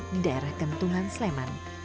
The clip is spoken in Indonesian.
di daerah kentungan sleman